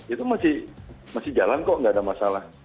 itu masih jalan kok nggak ada masalah